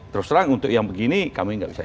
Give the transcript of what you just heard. terus terang untuk yang begini kami tidak bisa ikut